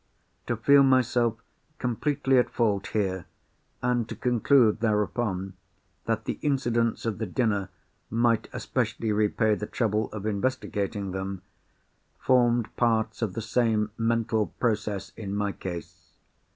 To feel myself completely at fault here, and to conclude, thereupon, that the incidents of the dinner might especially repay the trouble of investigating them, formed parts of the same mental process, in my case.